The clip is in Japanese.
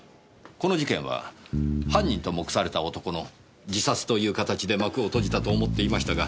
この事件は犯人と目された男の自殺という形で幕を閉じたと思っていましたが。